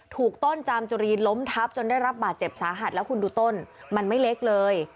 ถูกต้นจามจุรีล้มทับจนได้รับบาดเจ็บสาหัสแล้วคุณดูต้นมันไม่เล็กเลย